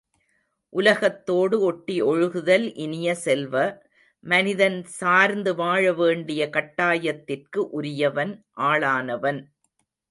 உலகத்தோடு ஒட்டி ஒழுகுதல் இனிய செல்வ, மனிதன் சார்ந்து வாழ வேண்டிய கட்டாயத்திற்கு உரியவன் ஆளானவன்!